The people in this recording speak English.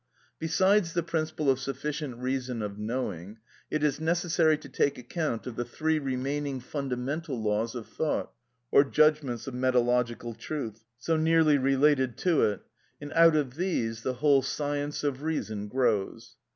Besides the principle of sufficient reason of knowing, it is necessary to take account of the three remaining fundamental laws of thought, or judgments of metalogical truth, so nearly related to it; and out of these the whole science of reason grows.